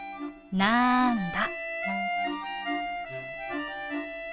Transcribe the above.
なあんだ？」。